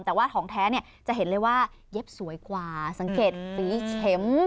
แต่ว่าของแท้เนี่ยจะเห็นเลยว่าเย็บสวยกว่าสังเกตสีเข็ม